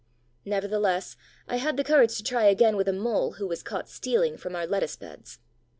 Nevertheless, I had the courage to try again with a Mole who was caught stealing from our lettuce beds.